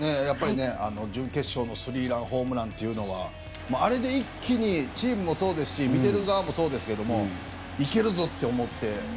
準決勝のスリーランホームランというのはあれで一気にチームもそうですし見てる側もそうですけどいけるぞ！って思って。